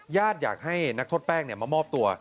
ญาติอยากให้นักทดแป้งมามอบตัว